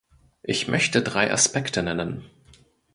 Ich möchte drei Aspekte nennen.